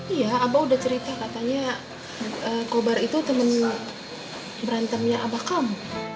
iya abah udah cerita katanya kobar itu temen berantemnya abah kamu